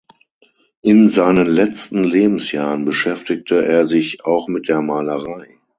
In seinen letzten Lebensjahren beschäftigte er sich auch mit der Malerei.